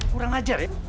kurang ajar ya